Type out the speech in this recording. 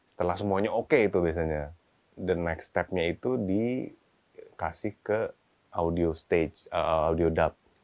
setelah semuanya oke itu biasanya the next step nya itu dikasih ke audio stage audio dap